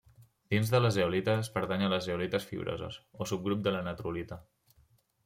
Dins de les zeolites pertany a les zeolites fibroses, o subgrup de la natrolita.